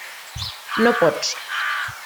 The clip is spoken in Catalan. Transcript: No pots.